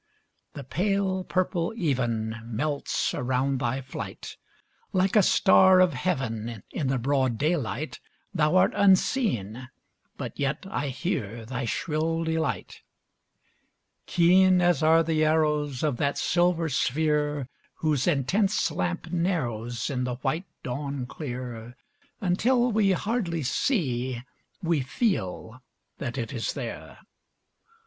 The pale purple even Melts around thy flight; Like a star of heaven In the broad daylight, Thou art unseen, but yet I hear thy shrill delight Keen as are the arrows Of that silver sphere Whose intense lamp narrows In the white dawn clear, Until we hardly see, we feel, that it is there.